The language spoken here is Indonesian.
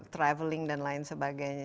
traveling dan lain sebagainya